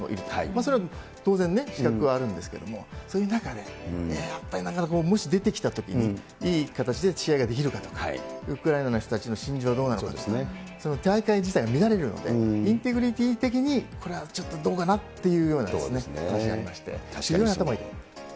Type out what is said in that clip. それは当然、資格はあるんですけれども、そういう中で、いや、やっぱりなかなかもし出てきたときに、いい形で試合ができるかとか、ウクライナの人たちの心情どうなのかとか、その大会自体が見られるので、インテグリティー的に、これはちょっとどうかなというような話がありまして、非常に頭が痛い。